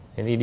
thế thì đi